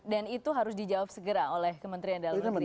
dan itu harus dijawab segera oleh kementerian dan negeri